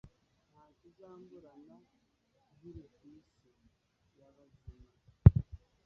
ntacyo uzamburana nkiriku isi yabazima.